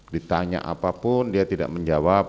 ditanya apapun dia tidak menjawab